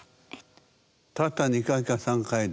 たった２回か３回で？